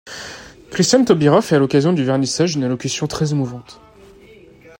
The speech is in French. Christiane Taubira fait à l'occasion du vernissage une allocution très émouvante.